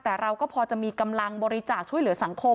แต่เราก็พอจะมีกำลังบริจาคช่วยเหลือสังคม